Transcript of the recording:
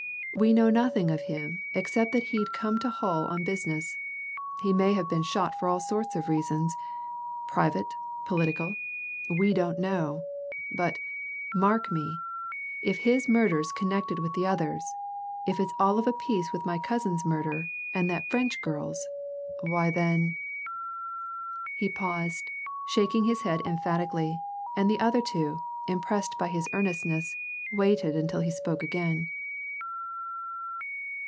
We know nothing of him, except that he said he'd come to Hull on business. He may have been shot for all sorts of reasons private, political. We don't know. But mark me! if his murder's connected with the others, if it's all of a piece with my cousin's murder, and that French girl's, why then " He paused, shaking his head emphatically, and the other two, impressed by his earnestness, waited until he spoke again.